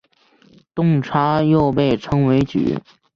动差又被称为矩。